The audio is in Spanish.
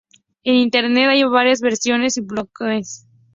En Internet hay varias versiones y bootlegs.